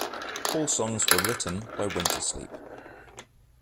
All songs were written by Wintersleep.